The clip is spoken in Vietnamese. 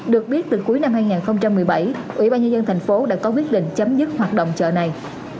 được biết từ cuối năm hai nghìn một mươi bảy ủy ban nhân dân thành phố đã có quyết định chấm dứt hoạt động chợ này